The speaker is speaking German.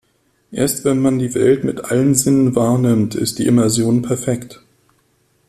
Erst wenn man die Welt mit allen Sinnen wahrnimmt, ist die Immersion perfekt.